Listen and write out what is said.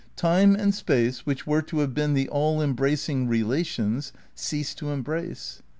Tiijie and space which were to have been the all embracing relations, cease to embrace.